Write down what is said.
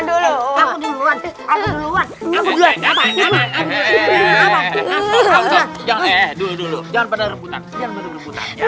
dulu dulu jangan pada reputan